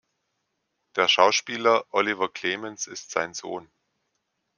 Der Schauspieler Oliver Clemens ist sein Sohn.